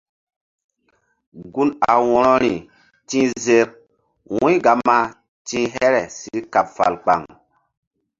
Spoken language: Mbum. Gun a wo̧rori ti̧h zer wu̧y Gama ti̧h here si kaɓ fal kpaŋ.